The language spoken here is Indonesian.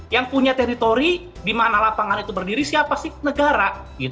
yang punya teritori di mana lapangan itu berdiri siapa sih negara